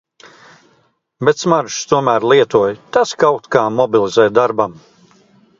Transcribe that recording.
Bet smaržas tomēr lietoju - tas kaut kā mobilizē darbam.